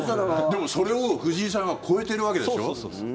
でもそれを藤井さんが超えてるわけでしょ？